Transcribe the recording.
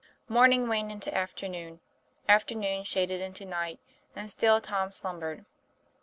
Morning waned into afternoon, afternoon shaded into night, and still Tom slumbered.